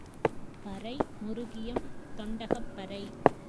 பறை, முருகியம், தொண்டகப்பறை.